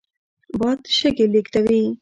باد شګې لېږدوي